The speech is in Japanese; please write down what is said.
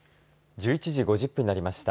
１１時５０分になりました。